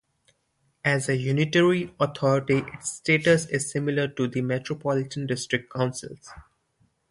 As a unitary authority its status is similar to the metropolitan district councils.